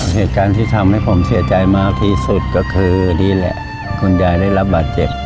เหตุการณ์ที่ทำให้ผมเสียใจมากที่สุดก็คือนี่แหละคุณยายได้รับบาดเจ็บ